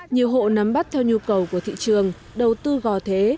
nhiều hộ nắm bắt theo nhu cầu của thị trường đầu tư gò thế